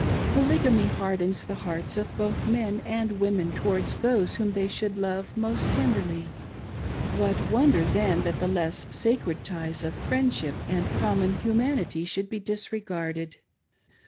Polygamy hardens the hearts of both men and women towards those whom they should love most tenderly; what wonder then that the less sacred ties of friendship and common humanity should be disregarded